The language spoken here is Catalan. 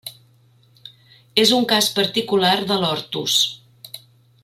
És un cas particular de l'ortus.